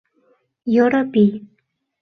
— Йоропий!..